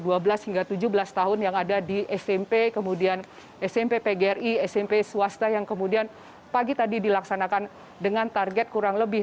dua belas hingga tujuh belas tahun yang ada di smp kemudian smp pgri smp swasta yang kemudian pagi tadi dilaksanakan dengan target kurang lebih